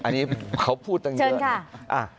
อันนี้เขาพูดตั้งเยอะ